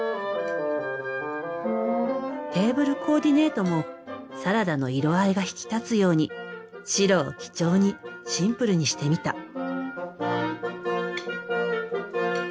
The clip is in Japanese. テーブルコーディネートもサラダの色合いが引き立つように白を基調にシンプルにしてみた。